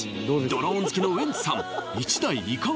ドローン好きのウエンツさん